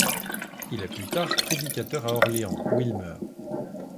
Il est plus tard prédicateur à Orléans, où il meurt.